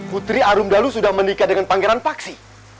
putri arung dalu sudah menikah dengan pangeran paksi